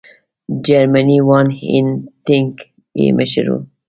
جرمنی وان هینټیګ یې مشر وو.